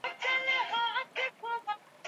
Leo kuna matamasha mengi.